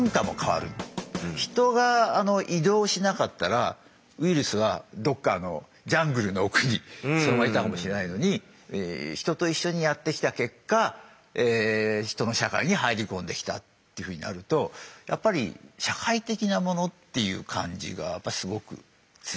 ヒトが移動しなかったらウイルスはどっかのジャングルの奥にそのままいたかもしれないのにヒトと一緒にやって来た結果ヒトの社会に入り込んできたというふうになるとやっぱり社会的なものっていう感じがやっぱりすごく強い。